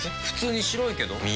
普通に白いけど。